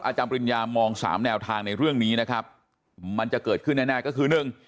อาจารย์ปริญญามอง๓แนวทางในเรื่องนี้นะครับมันจะเกิดขึ้นในหน้าก็คือ